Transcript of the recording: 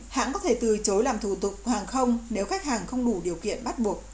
hãng có thể từ chối làm thủ tục hàng không nếu khách hàng không đủ điều kiện bắt buộc